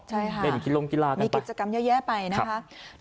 ใช่ค่ะมีกิจกรรมเยอะแย่ไปนะคะ